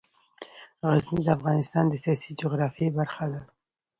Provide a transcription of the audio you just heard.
غزني د افغانستان د سیاسي جغرافیه برخه ده.